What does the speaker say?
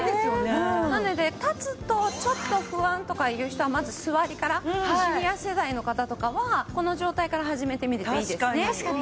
なので立つとちょっと不安とかいう人はまず座りからシニア世代の方とかはこの状態から始めてみるといいですね。